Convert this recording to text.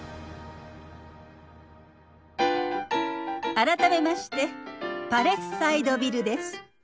改めましてパレスサイドビルです。